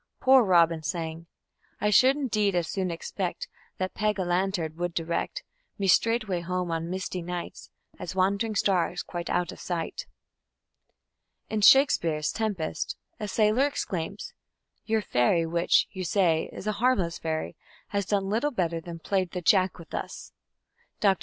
"Poor Robin" sang: I should indeed as soon expect That Peg a lantern would direct Me straightway home on misty night As wand'ring stars, quite out of sight. In Shakespeare's Tempest a sailor exclaims: "Your fairy, which, you say, is a harmless fairy, has done little better than played the Jack with us". Dr.